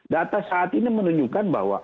data saat ini menunjukkan bahwa